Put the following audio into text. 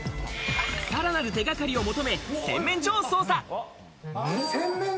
さらなる手がかりを求め、洗面所を捜査。